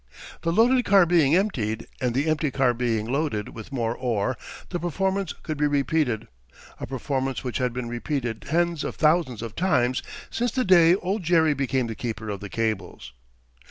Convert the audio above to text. The loaded car being emptied, and the empty car being loaded with more ore, the performance could be repeated—a performance which had been repeated tens of thousands of times since the day Old Jerry became the keeper of the cables.